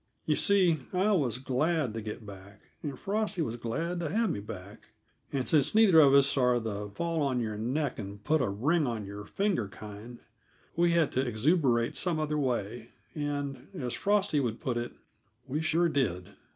You see, I was glad to get back, and Frosty was glad to have me back; and since neither of us are the fall on your neck and put a ring on your finger kind, we had to exuberate some other way; and, as Frosty, would put it, "We sure did."